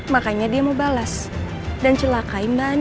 makanya dia mau balas dan celakai mbak anin